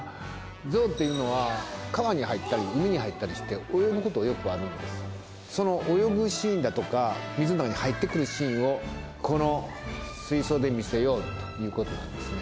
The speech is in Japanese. ゾウっていうのは川に入ったり海に入ったりして泳ぐことよくあるんですその泳ぐシーンだとか水の中に入ってくるシーンをこの水槽で見せようということなんですね